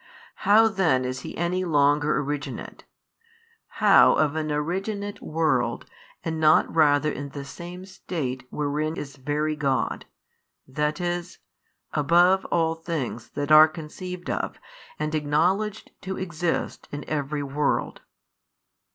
How then is He any longer originate, how of an originate world and not rather in the same [state] wherein is Very God, i. e., above all things that are conceived of and acknowledged to exist in every world?